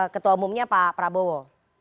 ketua umumnya pak prabowo